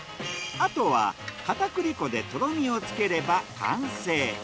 あとは片栗粉でとろみをつければ完成。